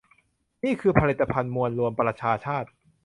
นี่คือผลิตภัณฑ์มวลรวมประชาชาติ